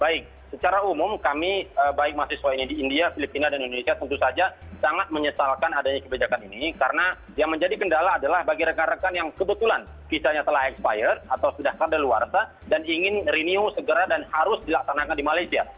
baik secara umum kami baik mahasiswa ini di india filipina dan indonesia tentu saja sangat menyesalkan adanya kebijakan ini karena yang menjadi kendala adalah bagi rekan rekan yang kebetulan kisahnya telah expired atau sudah kadaluarsa dan ingin renewa segera dan harus dilaksanakan di malaysia